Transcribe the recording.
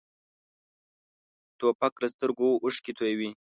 توپک له سترګو اوښکې تویوي.